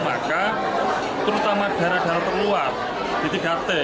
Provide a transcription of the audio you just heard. maka terutama daerah daerah terluar di tiga t